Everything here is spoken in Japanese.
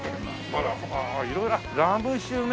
あら色々あっラム酒ね。